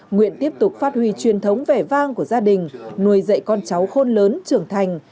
nguyện tiếp tục phát huy truyền thống vẻ vang của gia đình nuôi dạy con cháu khôn lớn trưởng thành